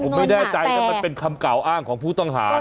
ผมไม่แน่ใจนะมันเป็นคำกล่าวอ้างของผู้ต้องหา